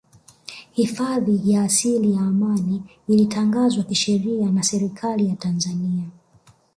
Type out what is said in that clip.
Hifadhi ya asili ya Amani ilitangazwa kisheria na Serikali ya Tanzania